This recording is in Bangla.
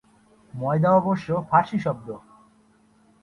ময়দা অবশ্য ফারসি শব্দ।